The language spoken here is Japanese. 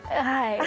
はい。